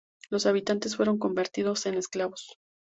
Los habitantes fueron convertidos en esclavos.